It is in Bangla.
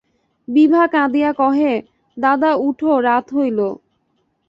বিভা কাঁদিয়া কহে, দাদা উঠ, রাত হইল।